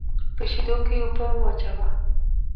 په شېدو کې اوبه واچوه.